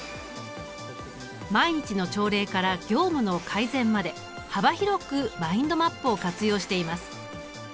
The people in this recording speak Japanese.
毎日の朝礼から業務の改善まで幅広くマインドマップを活用しています。